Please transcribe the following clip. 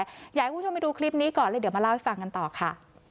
อยากให้คุณผู้ชมไปดูคลิปนี้ก่อนเลยเดี๋ยวมาเล่าให้ฟังกันต่อค่ะ